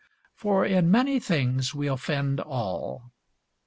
For in many things we offend all.